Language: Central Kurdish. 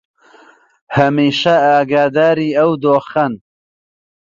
هەمیشە ئاگاداری ئەو دۆخەن